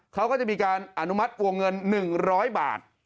เขาก็จะมีการอนุมัติวงเงิน๑๐๐บาท